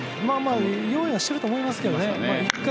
用意はしてると思いますけどね。